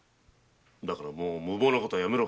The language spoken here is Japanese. だからもぅ無謀な事はやめろ。